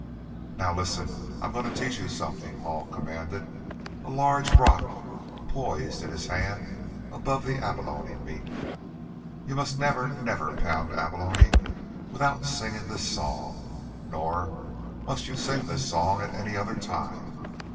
"Now, listen; I'm going to teach you something," Hall commanded, a large round rock poised in his hand above the abalone meat. "You must never, never pound abalone without singing this song. Nor must you sing this song at any other time.